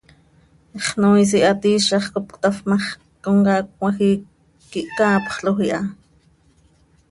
Xnoois ihaat iizax cop cötafp ma x, comcaac cmajiic quih caapxloj iha.